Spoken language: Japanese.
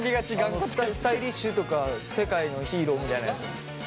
スタイリッシュとか世界のヒーローみたいなやつ。